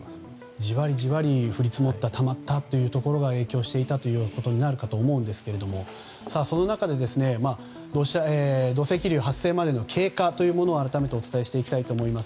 じわりじわり降り積もりたまったというところが影響したということになるかと思いますが土石流発生までの経過を改めてお伝えしたいと思います。